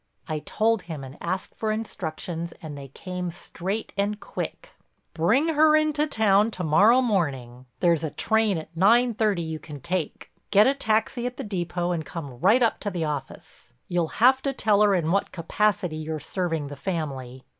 I told him and asked for instructions and they came straight and quick: "Bring her into town to morrow morning. There's a train at nine thirty you can take. Get a taxi at the depot and come right up to the office. You'll have to tell her in what capacity you're serving the family.